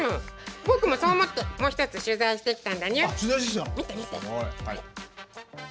僕もそう思ってもう１つ取材してきたんだにゅ見てみて。